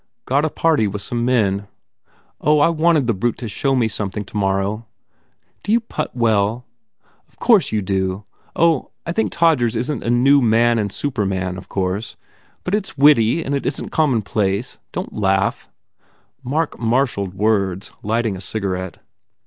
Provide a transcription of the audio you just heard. "Got a party with some men." "And I wanted the brute to show me putting tomorrow ! D you put well ? Of course you do ! Oh, I know Todgers isn t a new Man and Superman, of course. But it s witty and it isn t commonplace don t laugh." Mark marshalled words, lighting a cigarette.